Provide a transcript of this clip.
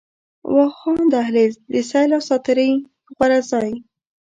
واخان دهلېز، د سيل او ساعتري غوره ځای